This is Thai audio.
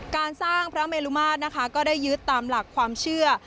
การสร้างพระเมลุมาตรนะคะก็ได้ยึดตามหลักความเชื่อ